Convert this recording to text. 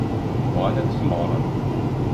Bɣan ad t-smeɣren.